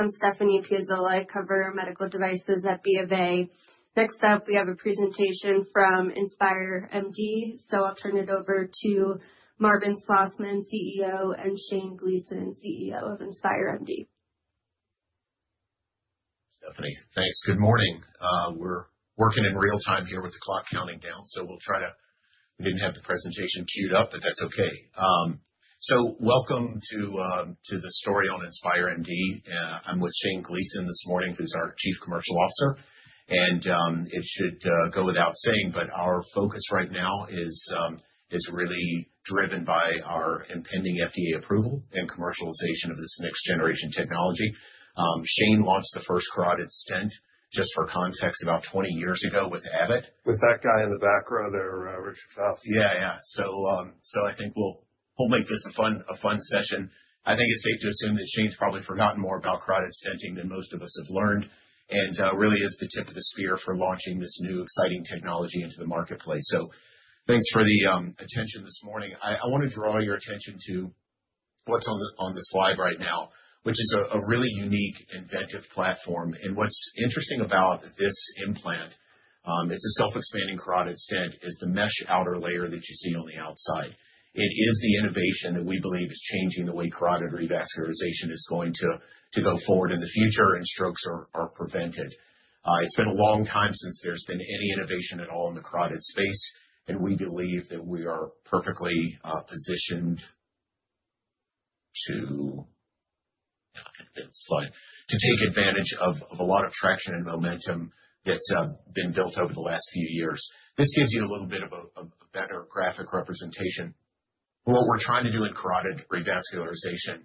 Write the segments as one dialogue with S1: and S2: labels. S1: I'm Stephanie Piazzola. I cover medical devices at Bank of America. Next up, we have a presentation from InspireMD, so I'll turn it over to Marvin Slosman, CEO, and Shane Gleason, Chief Commercial Officer of InspireMD.
S2: Stephanie, thanks. Good morning. We're working in real time here with the clock counting down, so we'll try to—we didn't have the presentation queued up, but that's okay. Welcome to the story on InspireMD. I'm with Shane Gleason this morning, who's our Chief Commercial Officer. It should go without saying, but our focus right now is really driven by our impending FDA approval and commercialization of this next-generation technology. Shane launched the first carotid stent, just for context, about 20 years ago with Abbott.
S3: With that guy in the background there, Jeremy Feffer.
S2: Yeah, yeah. I think we'll make this a fun session. I think it's safe to assume that Shane's probably forgotten more about carotid stenting than most of us have learned, and really is the tip of the spear for launching this new, exciting technology into the marketplace. Thanks for the attention this morning. I want to draw your attention to what's on the slide right now, which is a really unique, inventive platform. What's interesting about this implant—it's a self-expanding carotid stent—is the mesh outer layer that you see on the outside. It is the innovation that we believe is changing the way carotid revascularization is going to go forward in the future and strokes are prevented. It's been a long time since there's been any innovation at all in the carotid space, and we believe that we are perfectly positioned to—not going to be on this slide—to take advantage of a lot of traction and momentum that's been built over the last few years. This gives you a little bit of a better graphic representation. What we're trying to do in carotid revascularization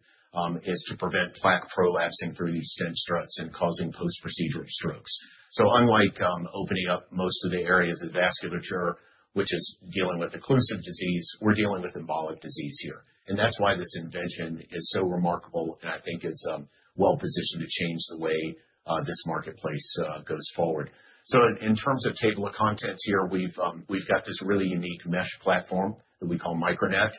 S2: is to prevent plaque prolapsing through these stent struts and causing post-procedural strokes. Unlike opening up most of the areas of vasculature, which is dealing with occlusive disease, we're dealing with embolic disease here. That's why this invention is so remarkable and I think is well-positioned to change the way this marketplace goes forward. In terms of table of contents here, we've got this really unique mesh platform that we call MicroNet.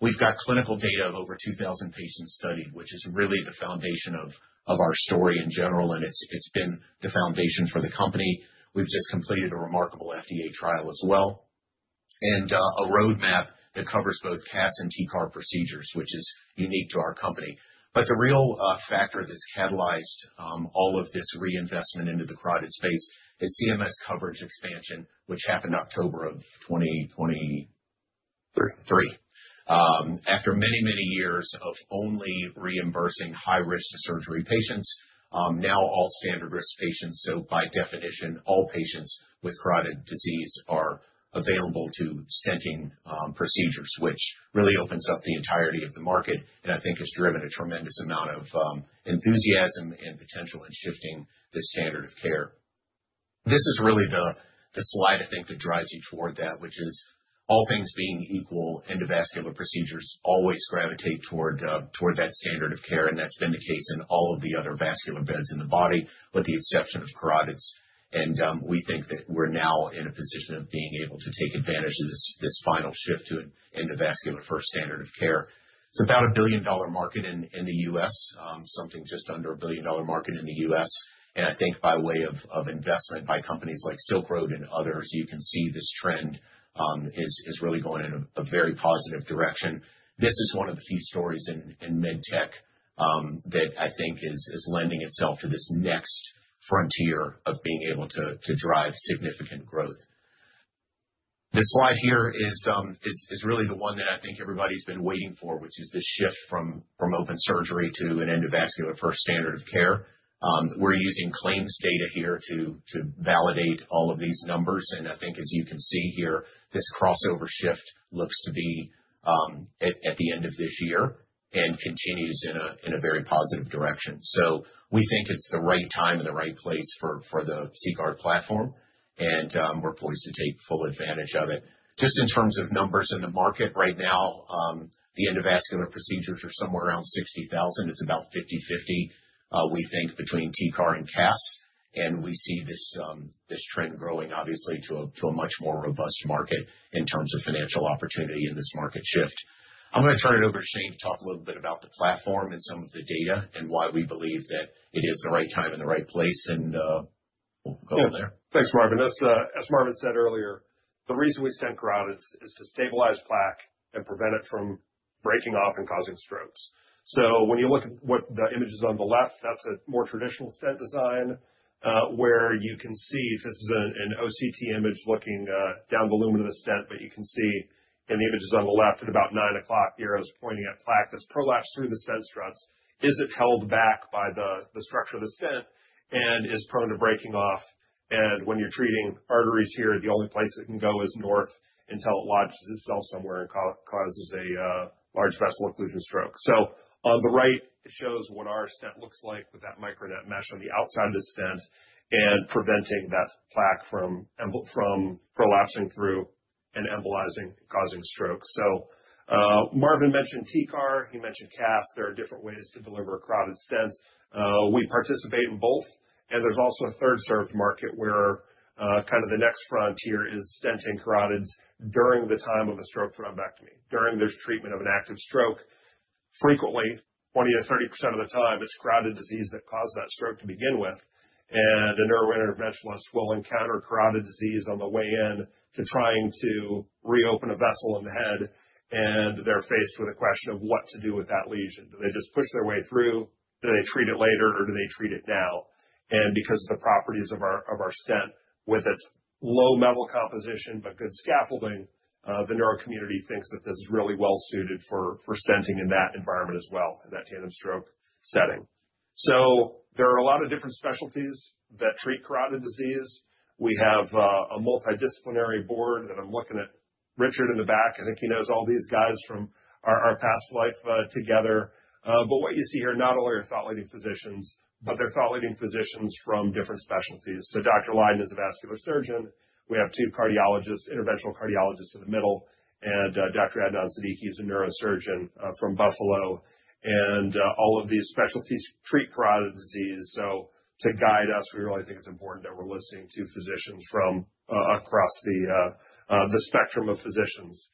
S2: We've got clinical data of over 2,000 patients studied, which is really the foundation of our story in general, and it's been the foundation for the company. We've just completed a remarkable FDA trial as well, and a roadmap that covers both CAS and TCAR procedures, which is unique to our company. The real factor that's catalyzed all of this reinvestment into the carotid space is CMS coverage expansion, which happened in October of 2023. After many, many years of only reimbursing high-risk surgery patients, now all standard risk patients. By definition, all patients with carotid disease are available to stenting procedures, which really opens up the entirety of the market and I think has driven a tremendous amount of enthusiasm and potential in shifting the standard of care. This is really the slide, I think, that drives you toward that, which is all things being equal, endovascular procedures always gravitate toward that standard of care, and that's been the case in all of the other vascular beds in the body, with the exception of carotids. We think that we're now in a position of being able to take advantage of this final shift to an endovascular first standard of care. It's about a $1 billion market in the U.S., something just under a $1 billion market in the U.S. I think by way of investment by companies like Silk Road and others, you can see this trend is really going in a very positive direction. This is one of the few stories in med tech that I think is lending itself to this next frontier of being able to drive significant growth. This slide here is really the one that I think everybody's been waiting for, which is this shift from open surgery to an endovascular first standard of care. We're using claims data here to validate all of these numbers, and I think as you can see here, this crossover shift looks to be at the end of this year and continues in a very positive direction. We think it's the right time and the right place for the CGuard platform, and we're poised to take full advantage of it. Just in terms of numbers in the market right now, the endovascular procedures are somewhere around 60,000. It's about 50/50, we think, between TCAR and CAS, and we see this trend growing, obviously, to a much more robust market in terms of financial opportunity in this market shift. I'm going to turn it over to Shane to talk a little bit about the platform and some of the data and why we believe that it is the right time and the right place, and we'll go from there.
S3: Yeah. Thanks, Marvin. As Marvin said earlier, the reason we stent carotids is to stabilize plaque and prevent it from breaking off and causing strokes. When you look at what the image is on the left, that's a more traditional stent design where you can see—this is an OCT image looking down the lumen of the stent—but you can see in the images on the left, at about 9 o'clock, here I was pointing at plaque that's prolapsed through the stent struts. Is it held back by the structure of the stent and is prone to breaking off? When you're treating arteries here, the only place it can go is north until it lodges itself somewhere and causes a large vessel occlusion stroke. On the right, it shows what our stent looks like with that MicroNet mesh on the outside of the stent and preventing that plaque from prolapsing through and embolizing and causing strokes. Marvin mentioned TCAR. He mentioned CAS. There are different ways to deliver carotid stents. We participate in both, and there's also a third-served market where kind of the next frontier is stenting carotids during the time of a stroke thrombectomy, during there's treatment of an active stroke. Frequently, 20-30% of the time, it's carotid disease that caused that stroke to begin with, and a neurointerventionalist will encounter carotid disease on the way in to trying to reopen a vessel in the head, and they're faced with a question of what to do with that lesion. Do they just push their way through? Do they treat it later? Or do they treat it now? Because of the properties of our stent, with its low metal composition but good scaffolding, the neuro community thinks that this is really well-suited for stenting in that environment as well, in that tandem stroke setting. There are a lot of different specialties that treat carotid disease. We have a multidisciplinary board that I'm looking at. Richard in the back, I think he knows all these guys from our past life together. What you see here, not all are your thought-leading physicians, but they're thought-leading physicians from different specialties. Dr. Lydon is a vascular surgeon. We have two interventional cardiologists in the middle, and Dr. Adnan Siddiqui is a neurosurgeon from Buffalo. All of these specialties treat carotid disease. To guide us, we really think it's important that we're listening to physicians from across the spectrum of physicians.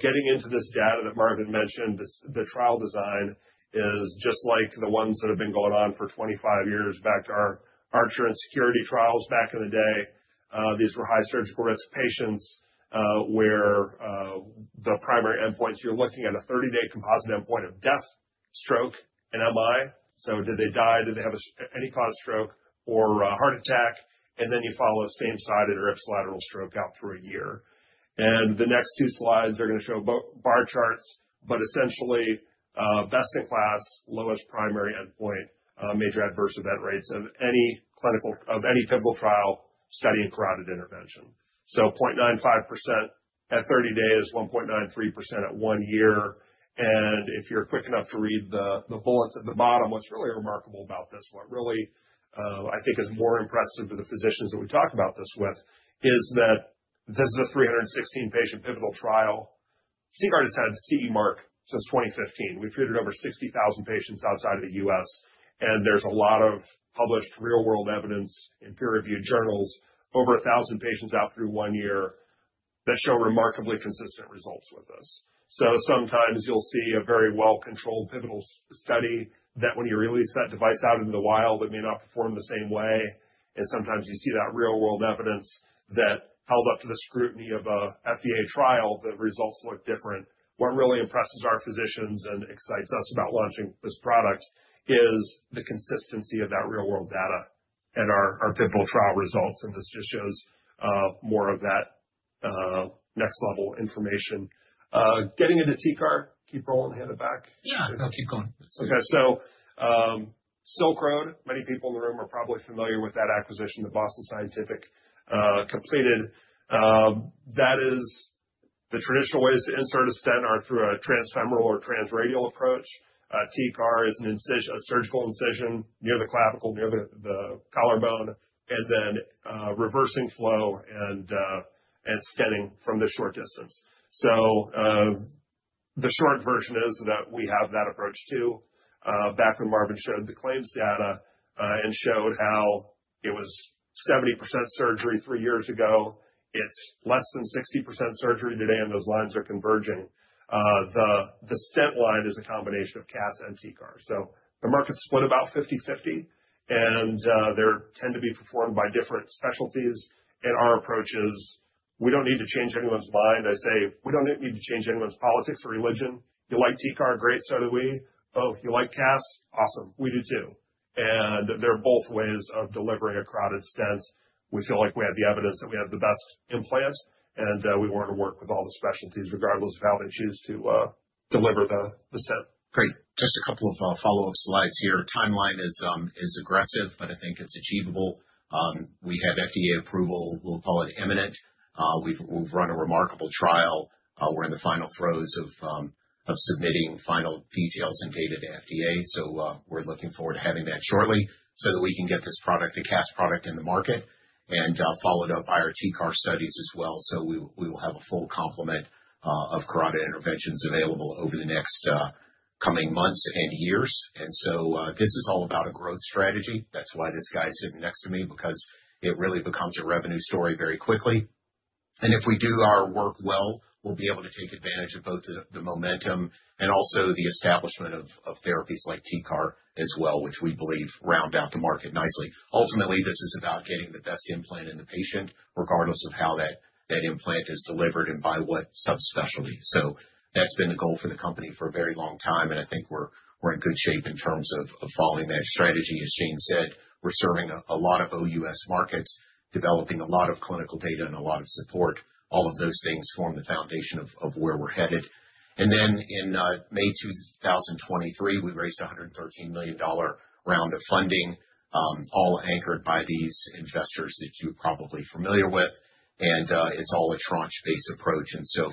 S3: Getting into this data that Marvin mentioned, the trial design is just like the ones that have been going on for 25 years back to our insurance security trials back in the day. These were high-surgical risk patients where the primary endpoints you're looking at a 30-day composite endpoint of death, stroke, and MI. Did they die? Did they have any cause of stroke or heart attack? You follow same-sided or ipsilateral stroke out for a year. The next two slides are going to show bar charts, but essentially best-in-class, lowest primary endpoint, major adverse event rates of any typical trial studying carotid intervention. 0.95% at 30 days, 1.93% at one year. If you're quick enough to read the bullets at the bottom, what's really remarkable about this, what really I think is more impressive to the physicians that we talk about this with, is that this is a 316-patient pivotal trial. CGuard has had a CE mark since 2015. We've treated over 60,000 patients outside of the U.S., and there's a lot of published real-world evidence in peer-reviewed journals, over 1,000 patients out through one year, that show remarkably consistent results with this. Sometimes you'll see a very well-controlled pivotal study that when you release that device out into the wild, it may not perform the same way. Sometimes you see that real-world evidence that held up to the scrutiny of an FDA trial, the results look different. What really impresses our physicians and excites us about launching this product is the consistency of that real-world data and our pivotal trial results. This just shows more of that next-level information. Getting into TCAR, keep rolling, Hannah, back.
S2: Yeah, no, keep going.
S3: Okay. Silk Road, many people in the room are probably familiar with that acquisition that Boston Scientific completed. That is, the traditional ways to insert a stent are through a transfemoral or transradial approach. TCAR is a surgical incision near the clavicle, near the collarbone, and then reversing flow and stenting from the short distance. The short version is that we have that approach too. Back when Marvin showed the claims data and showed how it was 70% surgery three years ago, it's less than 60% surgery today, and those lines are converging. The stent line is a combination of CAS and TCAR. The market's split about 50/50, and they tend to be performed by different specialties. Our approach is we don't need to change anyone's mind. I say we don't need to change anyone's politics or religion. You like TCAR? Great. So do we. Oh, you like CAS? Awesome. We do too. There are both ways of delivering a carotid stent. We feel like we have the evidence that we have the best implants, and we want to work with all the specialties regardless of how they choose to deliver the stent.
S2: Great. Just a couple of follow-up slides here. Timeline is aggressive, but I think it's achievable. We have FDA approval. We'll call it imminent. We've run a remarkable trial. We're in the final throes of submitting final details and data to FDA. We are looking forward to having that shortly so that we can get this product, the CAS product, in the market and followed up by our TCAR studies as well. We will have a full complement of carotid interventions available over the next coming months and years. This is all about a growth strategy. That's why this guy is sitting next to me, because it really becomes a revenue story very quickly. If we do our work well, we'll be able to take advantage of both the momentum and also the establishment of therapies like TCAR as well, which we believe round out the market nicely. Ultimately, this is about getting the best implant in the patient regardless of how that implant is delivered and by what subspecialty. That's been the goal for the company for a very long time, and I think we're in good shape in terms of following that strategy. As Shane said, we're serving a lot of OUS markets, developing a lot of clinical data and a lot of support. All of those things form the foundation of where we're headed. In May 2023, we raised a $113 million round of funding, all anchored by these investors that you're probably familiar with. It's all a tranche-based approach.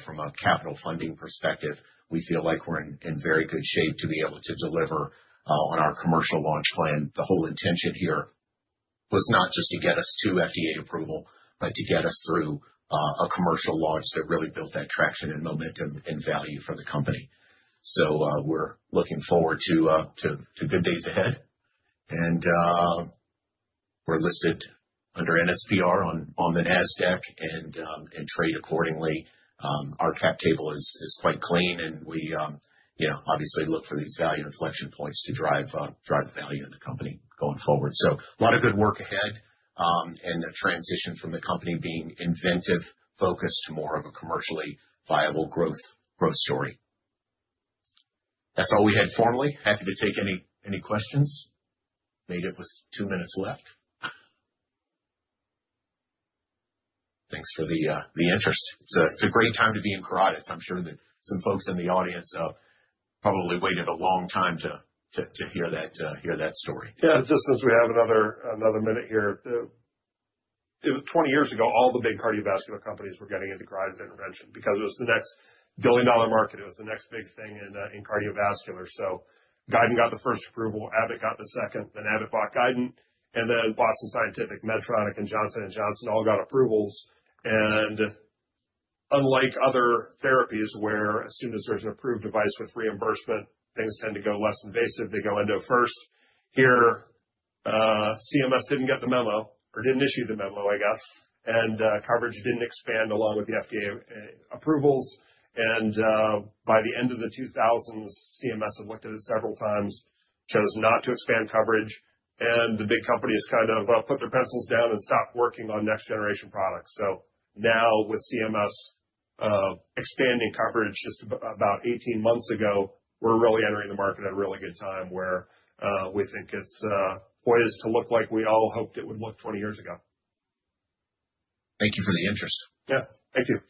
S2: From a capital funding perspective, we feel like we're in very good shape to be able to deliver on our commercial launch plan. The whole intention here was not just to get us to FDA approval, but to get us through a commercial launch that really built that traction and momentum and value for the company. We are looking forward to good days ahead. We are listed under NSPR on the NASDAQ and trade accordingly. Our cap table is quite clean, and we obviously look for these value inflection points to drive the value in the company going forward. A lot of good work ahead and the transition from the company being inventive-focused to more of a commercially viable growth story. That is all we had formally. Happy to take any questions. I made it with two minutes left. Thanks for the interest. It's a great time to be in carotids. I'm sure that some folks in the audience probably waited a long time to hear that story.
S3: Yeah. Just since we have another minute here, 20 years ago, all the big cardiovascular companies were getting into carotid intervention because it was the next billion-dollar market. It was the next big thing in cardiovascular. Guidant got the first approval, Abbott got the second, then Abbott bought Guidant, and Boston Scientific, Medtronic, and Johnson & Johnson all got approvals. Unlike other therapies where as soon as there is an approved device with reimbursement, things tend to go less invasive. They go endo first. Here, CMS did not get the memo or did not issue the memo, I guess, and coverage did not expand along with the FDA approvals. By the end of the 2000s, CMS had looked at it several times, chose not to expand coverage, and the big companies kind of put their pencils down and stopped working on next-generation products. Now with CMS expanding coverage just about 18 months ago, we're really entering the market at a really good time where we think it's poised to look like we all hoped it would look 20 years ago.
S2: Thank you for the interest.
S3: Yeah. Thank you.